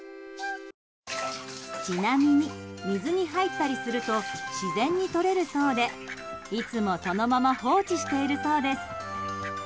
ちなみに、水に入ったりすると自然に取れるそうでいつも、そのまま放置しているそうです。